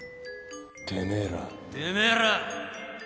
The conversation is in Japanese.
てめえらてめえら